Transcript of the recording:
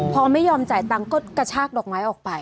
พอไม่ยอมจ่ายตังค์ก็กระชากดอกไม้ออกไป